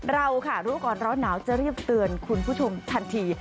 เราค่ะรู้ก่อนร้อนหนาวจะรีบเตือนคุณผู้ชมทันที